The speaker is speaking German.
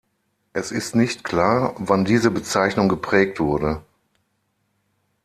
Es ist nicht klar, wann diese Bezeichnung geprägt wurde.